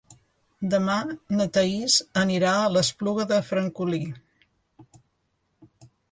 Demà na Thaís anirà a l'Espluga de Francolí.